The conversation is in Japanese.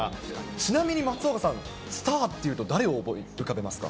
ちなみに、松岡さん、スターっていうと、誰を浮かべますか。